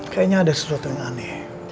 kayaknya ada sesuatu yang aneh